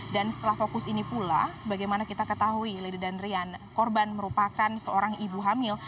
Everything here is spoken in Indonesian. dan setelah fokus ini pula sebagaimana kita ketahui lady dan rian korban merupakan seorang ibu hamil